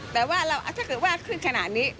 แปลว่าถ้าเมื่อกอดขึ้นขนาดนี้